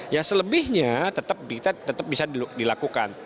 ya selebihnya tetap bisa dilakukan